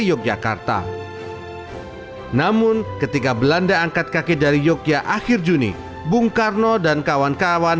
yogyakarta namun ketika belanda angkat kaki dari yogyakarta akhir juni bung karno dan kawan kawan